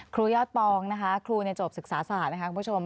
ยอดปองนะคะครูจบศึกษาศาสตร์นะคะคุณผู้ชม